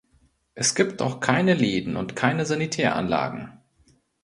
Es gibt auch keine Läden und keine Sanitäranlagen.